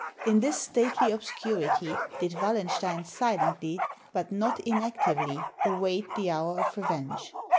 In this stately obscurity did Wallen stein silently, but not inactively, await the hour of revenge.